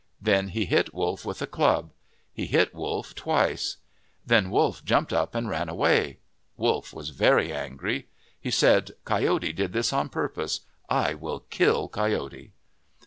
Then he hit Wolf with a club. He hit Wolf twice. Then Wolf jumped up and ran away. Wolf was very angry. He said, " Coyote did this on purpose. I will kill Coyote."